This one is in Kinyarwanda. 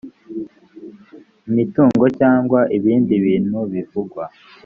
imitungo cyangwa ibindi bintu bivugwa